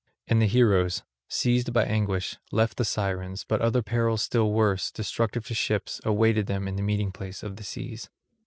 And the heroes, seized by anguish, left the Sirens, but other perils still worse, destructive to ships, awaited them in the meeting place of the seas.